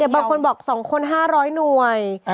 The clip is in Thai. บางคนบอก๒คน๕๐๐หน่วย